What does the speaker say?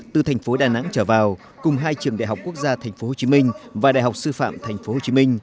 từ thành phố đà nẵng trở vào cùng hai trường đại học quốc gia tp hcm và đại học sư phạm tp hcm